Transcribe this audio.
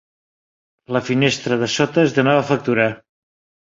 La finestra de sota és de nova factura.